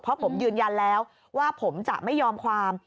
เพราะผมยืนยันแล้วว่าผมจะไม่ยอมความ